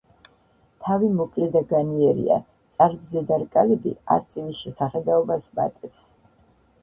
თავი მოკლე და განიერია, წარბზედა რკალები „არწივის“ შესახედაობას მატებს.